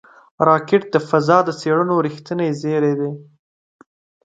راکټ د فضا د څېړنو رېښتینی زېری دی